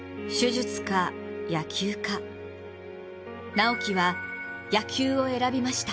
直喜は野球を選びました。